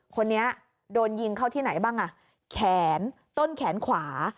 คนนี้โดนยิงเข้าที่ไหนบ้างอ่ะแขนต้นแขนขวา